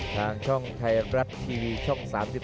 ทางช่องไทรัสทีวีช่อง๓๒นะครับ